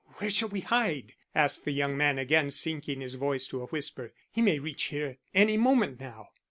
"Where shall we hide?" asked the young man, again sinking his voice to a whisper. "He may reach here any moment now."